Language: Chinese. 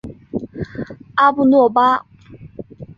阿布诺巴。